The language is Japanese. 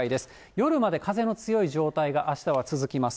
夜まで風の強い状態があしたは続きます。